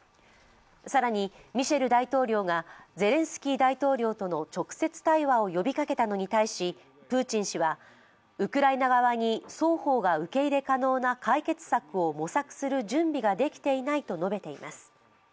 更に、ミシェル大統領がゼレンスキー大統領との直接対話を呼びかけたのに対しプーチン氏はウクライナ側に双方が受け入れ可能な解決策を模索する準備ができていないと述べています。